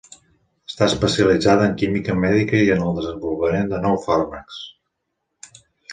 Està especialitzada en química mèdica i en el desenvolupament de nous fàrmacs.